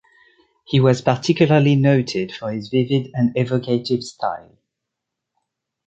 He was particularly noted for his vivid and evocative style.